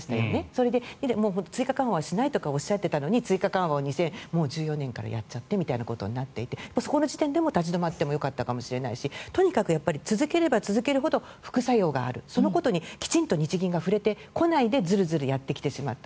それで追加緩和をしないとかおっしゃっていたのに追加緩和を２０１４年からやっちゃってみたいなことになっていてそこの時点でも、立ち止まってもよかったかもしれないしとにかく続ければ続けるほど副作用があるそのことに日銀が触れてこないでずるずるやってきてしまった。